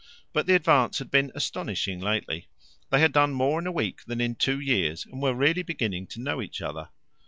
But the advance had been astonishing lately. They had done more in a week than in two years, and were really beginning to know each other.